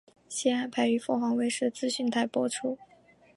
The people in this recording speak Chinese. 现安排于凤凰卫视资讯台播出。